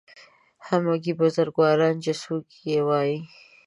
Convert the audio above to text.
همګي بزرګواران چې څوک یې وایي